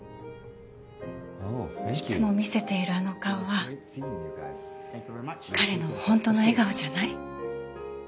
いつも見せているあの顔は彼のホントの笑顔じゃない。